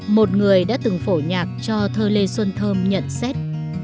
một người đã từng phổ nhạc cho thơ lê xuân thơm nhận xét